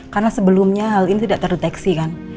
karena sebelumnya hal ini tidak terdeteksi kan